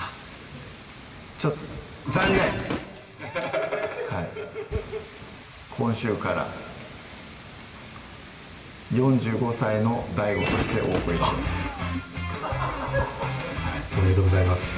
ちょっと残念今週から４５歳のＤＡＩＧＯとしてお送りしますあっおめでとうございます